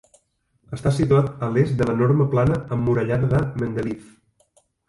Està situat a l'est de l'enorme plana emmurallada de Mendeleev.